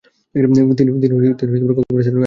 তিনি কংগ্রেস আন্দোলনে যোগ দেন।